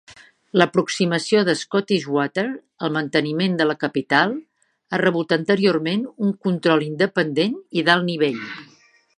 L"aproximació de Scottish Water al manteniment de la capital ha rebut anteriorment un control independent i d"alt nivell.